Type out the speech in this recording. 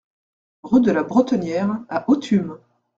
Rue de la Bretenière à Authume